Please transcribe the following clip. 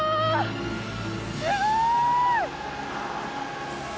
すごい！